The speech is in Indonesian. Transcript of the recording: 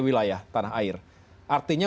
wilayah tanah air artinya